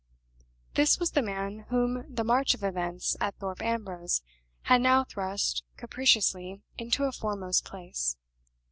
This was the man whom the march of events at Thorpe Ambrose had now thrust capriciously into a foremost place.